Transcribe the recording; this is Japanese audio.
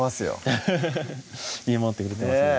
ハハハ見守ってくれてますね